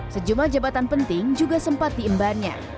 sejumlah jabatan penting juga sempat diembannya